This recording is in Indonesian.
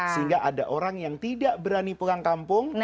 sehingga ada orang yang tidak berani pulang kampung